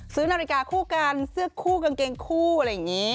ซื้อนาฬิกาคู่กันเสื้อคู่กางเกงคู่อะไรอย่างนี้